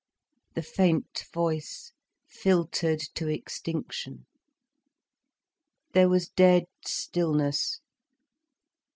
The faint voice filtered to extinction. There was dead stillness.